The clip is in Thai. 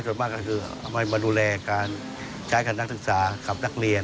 ถ้ามาทางรถยนต์ค่าคล่องเชฟของสุข่าวและเรียน